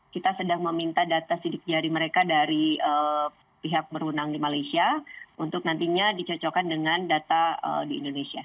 kita sudah meminta data sidik jari mereka dari pihak berunang di malaysia untuk nantinya dicocokkan dengan data di indonesia